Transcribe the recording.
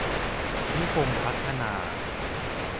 นิคมพัฒนา